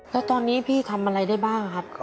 แล้วตอนนี้พี่ทำอะไรได้บ้างครับ